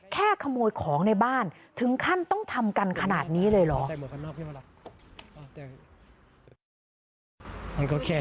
ขโมยของในบ้านถึงขั้นต้องทำกันขนาดนี้เลยเหรอ